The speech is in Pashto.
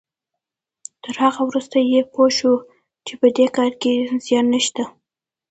تر هغه وروسته چې پوه شو په دې کار کې زيان نشته.